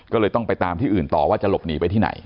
ก็เลยต้องไปตามที่อื่นต่อว่าจะหลบหนีไปที่ไหน